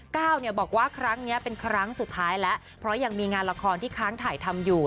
ก้าวเนี่ยบอกว่าครั้งนี้เป็นครั้งสุดท้ายแล้วเพราะยังมีงานละครที่ค้างถ่ายทำอยู่